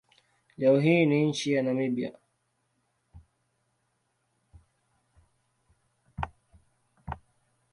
Leo hii ni nchi ya Namibia.